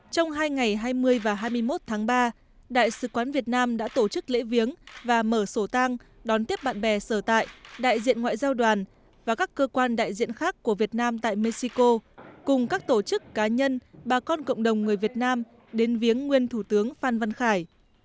trong hai ngày hai mươi và hai mươi một tháng ba đại sứ quán việt nam đã tổ chức lễ viếng và mở sổ tang đón tiếp bạn bè sở tại đại diện ngoại giao đoàn và các cơ quan đại diện khác của việt nam tại mexico cùng các tổ chức cá nhân bà con cộng đồng người việt nam đến viếng nguyên thủ tướng phan văn khải